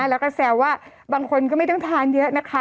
แล้วก็แซวว่าบางคนก็ไม่ต้องทานเยอะนะคะ